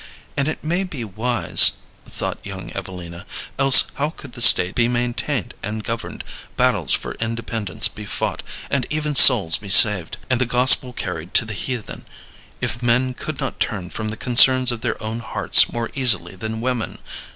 And it may be wise," thought young Evelina, "else how could the state be maintained and governed, battles for independence be fought, and even souls be saved, and the gospel carried to the heathen, if men could not turn from the concerns of their own hearts more easily than women?